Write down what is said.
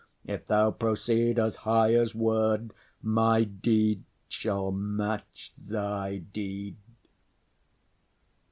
If thou proceed As high as word, my deed shall match thy deed.